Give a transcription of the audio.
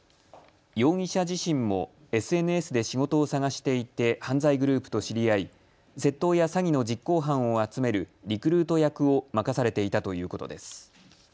容疑者自身もＳＮＳで仕事を探していて犯罪グループと知り合い窃盗や詐欺の実行犯を集めるリクルート役を任されていたということです。